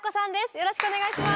よろしくお願いします。